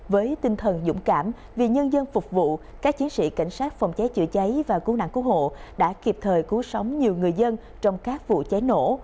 với tinh thần dũng cảm vì nhân dân phục vụ các chiến sĩ cảnh sát phòng cháy chữa cháy và cứu nạn cứu hộ đã kịp thời cứu sống nhiều người dân trong các vụ cháy nổ